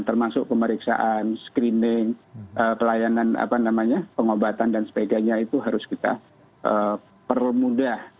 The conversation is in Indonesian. termasuk pemeriksaan screening pelayanan pengobatan dan sebagainya itu harus kita permudah